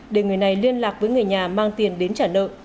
để người này liên lạc với người nhà mang tiền đến trả nợ